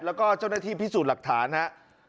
แล้วก็เจ้าหน้าที่พิสูจน์หลักฐานนะครับ